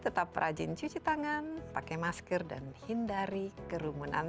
tetap rajin cuci tangan pakai masker dan hindari kerumunan